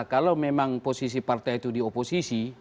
kalau memang posisi partai itu di oposisi